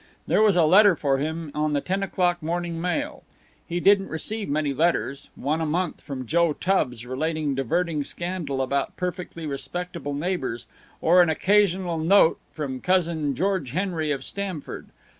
There was a letter for him on the ten o'clock morning mail. He didn't receive many letters one a month from Joe Tubbs relating diverting scandal about perfectly respectable neighbors, or an occasional note from Cousin George Henry of Stamford.